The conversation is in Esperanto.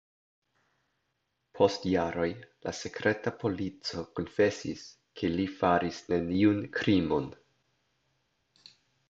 Post jaroj la sekreta polico konfesis, ke li faris neniun krimon.